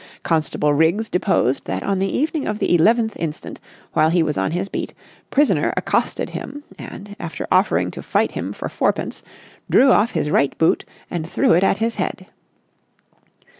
Constable Riggs deposed that on the evening of the eleventh instant while he was on his beat, prisoner accosted him and, after offering to fight him for fourpence, drew off his right boot and threw it at his head.